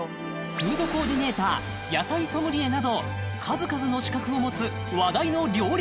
フードコーディネーター野菜ソムリエなど数々の資格をもつ話題の料理